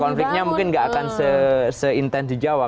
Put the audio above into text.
konfliknya mungkin nggak akan se intens di jawa